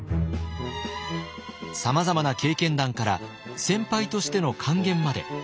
さまざまな経験談から先輩としての諫言まで。